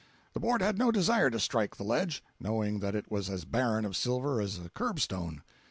] The Board had no desire to strike the ledge, knowing that it was as barren of silver as a curbstone.